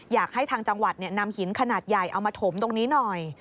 อยากให้ทางจังหวัดนำหินขนาดใหญ่เอามาถมตรงนี้หน่อย